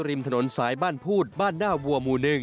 ริมถนนสายบ้านพูดบ้านหน้าวัวหมู่๑